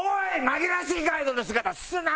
紛らわしいガイドの姿すな！